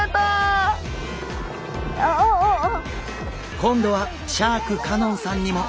今度はシャーク香音さんにも！